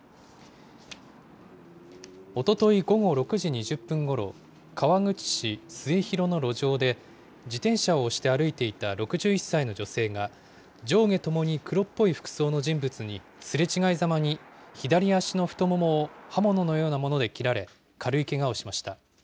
おととい午後６時２０分ごろ、川口市末広の路上で、自転車を押して歩いていた６１歳の女性が、上下ともに黒っぽい服装の人物にすれ違いざまに左足の太ももを刃物のようなもので切られ、軽いけがをしました。